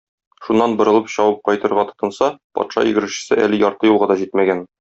Шуннан борылып чабып кайтырга тотынса, патша йөгерешчесе әле ярты юлга да җитмәгән.